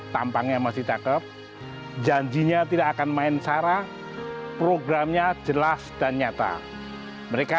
tampangnya masih cakep janjinya tidak akan main cara programnya jelas dan nyata mereka